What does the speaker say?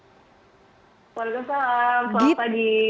waalaikumsalam selamat pagi